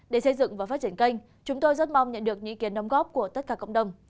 để xây dựng và phát triển kênh chúng tôi rất mong nhận được ý kiến đóng góp của tất cả cộng đồng